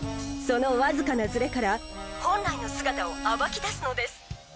そのわずかなズレから本来の姿を暴き出すのです。